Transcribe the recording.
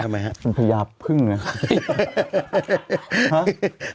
มันพญาพึ่งนะ